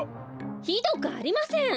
ひどくありません！